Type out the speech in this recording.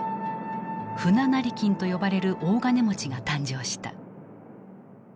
「船成金」と呼ばれる大金持ちが誕生した。